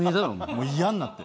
もうイヤになって。